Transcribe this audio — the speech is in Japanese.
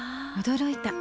驚いた。